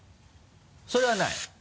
それはない？